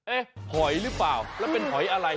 หอยหรือเปล่าแล้วเป็นหอยอะไร